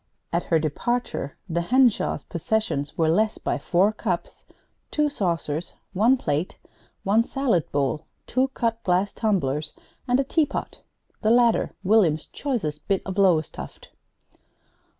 At her departure the Henshaws' possessions were less by four cups, two saucers, one plate, one salad bowl, two cut glass tumblers, and a teapot the latter William's choicest bit of Lowestoft.